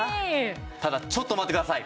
ただちょっと待ってください。